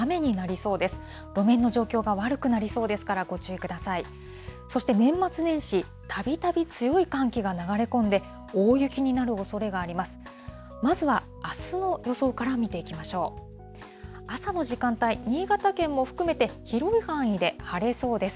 そして年末年始、たびたび強い寒気が流れ込んで、大雪になるおそれがあります。